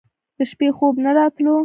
د شپې خوب نه راتلو.